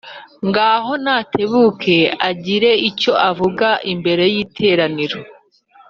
Ngaho natebuke agire icyo avugira imbere y’iteraniro